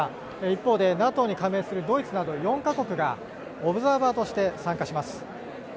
一方で、ＮＡＴＯに加盟するドイツなど４か国がオブザーバーとして参加します。